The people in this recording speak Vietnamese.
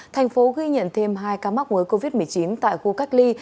thành phố ghi nhận thêm hai ca mắc mới covid một mươi chín tại khu cách ly